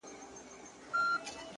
د چا خبرو ته به غوږ نه نيسو،